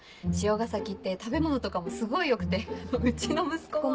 汐ヶ崎って食べ物とかもすごい良くてうちの息子も。